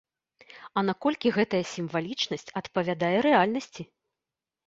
А наколькі гэтая сімвалічнасць адпавядае рэальнасці?